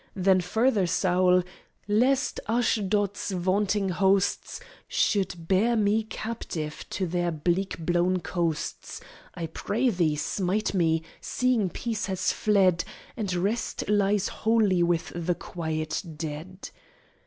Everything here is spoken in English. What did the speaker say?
Then further Saul: "Lest Ashdod's vaunting hosts Should bear me captive to their bleak blown coasts, I pray thee, smite me! seeing peace has fled, And rest lies wholly with the quiet dead."